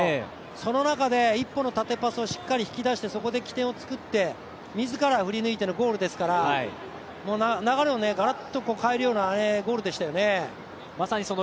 その中で、１本の縦パスで起点を作って自ら振り抜いてのゴールですから流れをガラッと変えるようなゴールでしたよね。